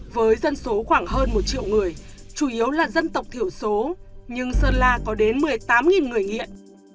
với dân số khoảng hơn một triệu người chủ yếu là dân tộc thiểu số nhưng sơn la có đến một mươi tám người nghiện